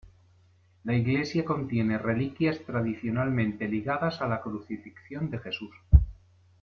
La iglesia contiene reliquias tradicionalmente ligadas a la Crucifixión de Jesús.